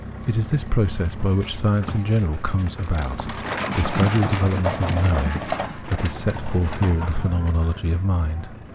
It is this process by which science in general comes about, this gradual development of knowing, that is set forth here in the Phenomenology of Mind.